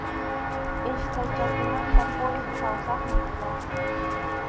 Iskay chakimanta puriq kawsaqmi runaqa.